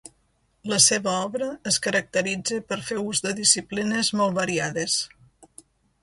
La seva obra es caracteritza per fer ús de disciplines molt variades.